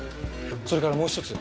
それからもう一つ。